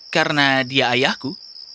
karena dia ayahku